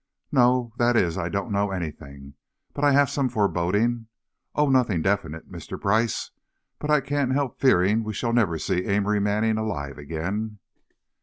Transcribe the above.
"No; that is, I don't know anything, but I have some foreboding, oh, nothing definite, Mr. Brice, but I can't help fearing we shall never see Amory Manning alive again!"